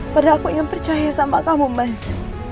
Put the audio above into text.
padahal aku ingin percaya sama kamu mas